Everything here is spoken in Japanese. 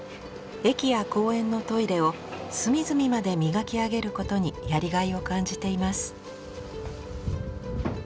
駅や公園のトイレを隅々まで磨き上げることにやりがいを感じています。